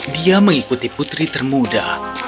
dia mengikuti putri termuda